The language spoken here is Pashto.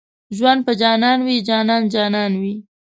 ژوند په جانان وي جانان جانان وي